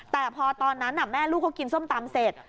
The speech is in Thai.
แต่พอตอนนั้นแม่ลูกเขากินส้มตำเสร็จ